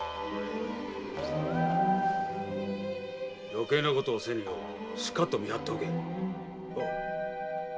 余計なことをせぬようしかと見張っておけ。